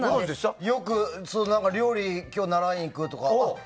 よく料理、今日習いに行くとか。